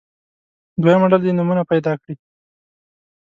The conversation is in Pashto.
دویمه ډله دې نومونه پیدا کړي.